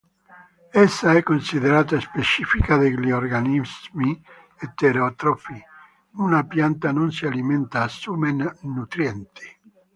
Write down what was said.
Essa è considerata specifica degli organismi eterotrofi: una pianta non si alimenta, assume nutrienti.